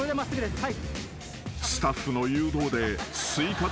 はい。